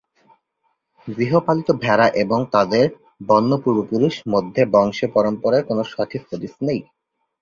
গৃহপালিত ভেড়া এবং তাদের বন্য পূর্বপুরুষ মধ্যে বংশ পরম্পরার কোন সঠিক হদিস নেই।